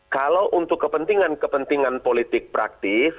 kalau untuk kepentingan kepentingan politik praktis